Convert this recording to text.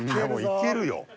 いけるぞ。